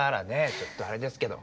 ちょっとあれですけど。